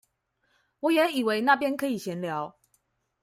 我也以為那邊可以閒聊